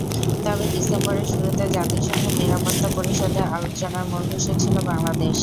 তবে ডিসেম্বরের শুরুতে জাতিসংঘের নিরাপত্তা পরিষদে আলোচনার মূল বিষয় ছিল বাংলাদেশ।